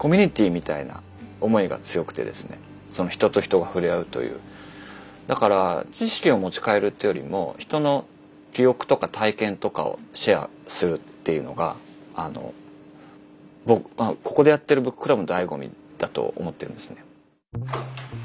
読書会を主宰しているだから知識を持ち帰るというよりも人の記憶とか体験とかをシェアするっていうのがここでやってるブッククラブの醍醐味だと思ってるんですね。